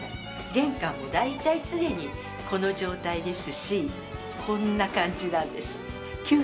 玄関は大体常にこの状態ですしこんな感じなんです。